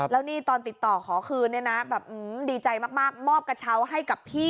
แล้วตอนติดต่อขอคืนเนี่ยดีใจมากแบบหงมอบกระเช้าให้กับพี่